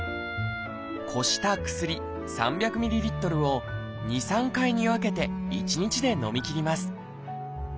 こした薬３００ｍＬを２３回に分けて１日でのみきります。